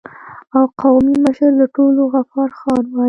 او قومي مشر د ټولو غفار خان وای